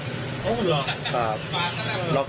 อ๋อคุณล็อกอ่ะคุณบ้านก็ได้มั้ยครับ